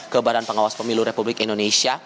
ke badan pengawas pemilu republik indonesia